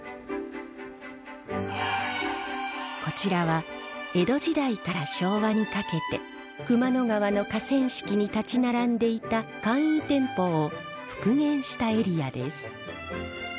こちらは江戸時代から昭和にかけて熊野川の河川敷に立ち並んでいた簡易店舗を復元したエリアです。